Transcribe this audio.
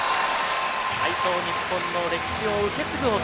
体操ニッポンの歴史を受け継ぐ男